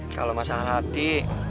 kalau masalah hati